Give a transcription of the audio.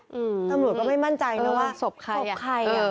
อืมศพใครอ่ะตำรวจก็ไม่มั่นใจนะว่าศพใครอ่ะ